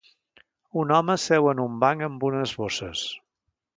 Un home seu en un banc amb unes bosses.